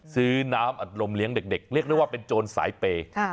ซื้อน้ำอัดลมเลี้ยงเด็กเรียกได้ว่าเป็นโจรสายเปย์